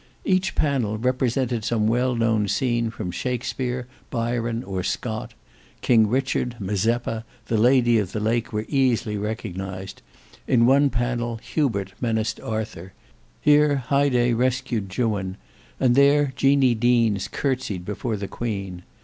Each panel represented some well known scene from Shakespeare, Byron, or Scott: King Richard, Mazeppa, the Lady of the Lake were easily recognized: in one panel, Hubert menaced Arthur; here Haidee rescued Juan; and there Jeanie Deans curtsied before the Queen.